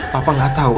papa gak tau